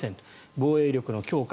防衛力の強化